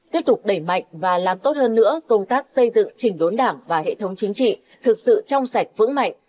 tiếp tục đẩy mạnh và làm tốt hơn nữa công tác xây dựng chỉnh đốn đảng và hệ thống chính trị thực sự trong sạch vững mạnh